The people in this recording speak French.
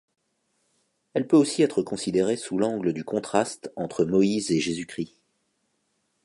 Elle peut aussi être considérée sous l'angle du contraste entre Moïse et Jésus-Christ.